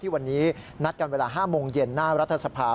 วันนี้นัดกันเวลา๕โมงเย็นหน้ารัฐสภา